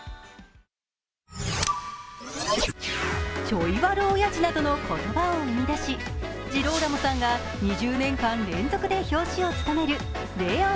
「チョイ悪オヤジ」などの言葉を生み出し、ジローラモさんが２０年間連続で表紙を務める「ＬＥＯＮ」。